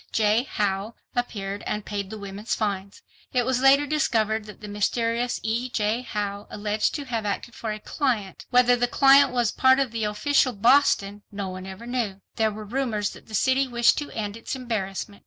J. Howe, appeared and paid the women's fines. It was later discovered that the mysterious E. J. Howe alleged to have acted for a "client." Whether the "client" was a part of Official Boston, no one ever knew. There were rumors that the city wished to end its embarrassment.